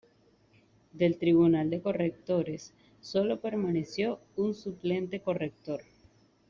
Del Tribunal de Correctores, sólo permaneció un suplente-corrector.